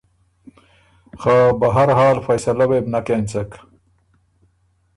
خه بهر حال فیصلۀ وې بو نک اېنڅک